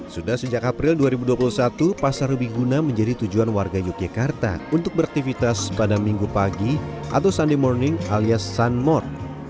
sudah sejak april dua ribu dua puluh satu pasar rubiguna menjadi tujuan warga yogyakarta untuk beraktivitas pada minggu pagi atau sunday morning alias sunmore